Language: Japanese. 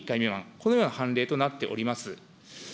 このような凡例となっております。